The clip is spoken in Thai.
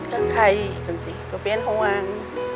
เค้าไข่กันสิก็เป็นห่วง